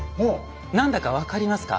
何だか分かりますか？